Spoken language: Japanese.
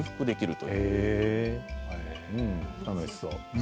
楽しそう。